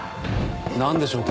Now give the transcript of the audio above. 何でしょう？